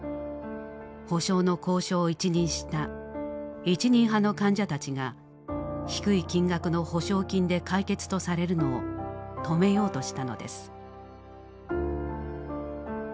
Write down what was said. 補償の交渉を一任した「一任派」の患者たちが低い金額の補償金で解決とされるのを止めようとしたのです。